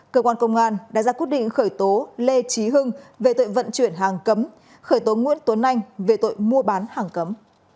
cơ quan công an đã ra quyết định khởi tố lê trí hưng về tội vận chuyển hàng cấm khởi tố nguyễn tuấn anh về tội mua bán hàng cấm